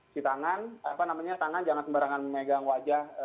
si tangan apa namanya tangan jangan sembarangan memegang wajah